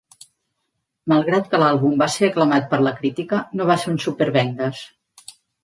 Malgrat que l'àlbum va ser aclamat per la crítica, no va ser un súper vendes.